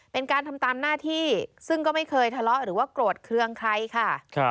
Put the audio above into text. เป็นการทำตามหน้าที่ซึ่งก็ไม่เคยทะเลาะหรือว่าโกรธเครื่องใครค่ะ